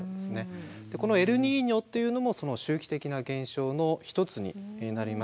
このエルニーニョっていうのもその周期的な現象の一つになります。